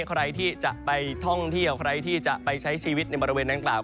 ใครที่จะไปท่องเที่ยวใครที่จะไปใช้ชีวิตในบริเวณดังกล่าว